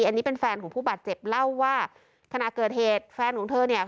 อันนี้เป็นแฟนของผู้บาดเจ็บเล่าว่าขณะเกิดเหตุแฟนของเธอเนี่ย